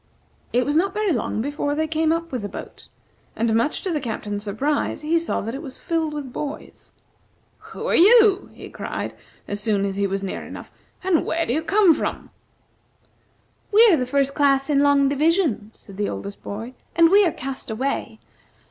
It was not very long before they came up with the boat; and, much to the Captain's surprise, he saw that it was filled with boys. "Who are you?" he cried as soon as he was near enough. "And where do you come from?" "We are the First Class in Long Division," said the oldest boy, "and we are cast away.